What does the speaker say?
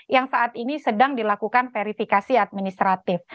yang saat ini sedang dilakukan verifikasi administratif